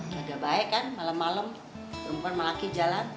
kagak baik kan malem malem perempuan sama laki jalan